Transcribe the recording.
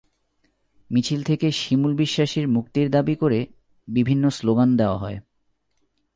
মিছিল থেকে শিমুল বিশ্বাসের মুক্তির দাবি করে বিভিন্ন স্লোগান দেওয়া হয়।